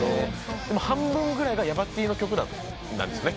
半分ぐらいがヤバＴの曲なんですね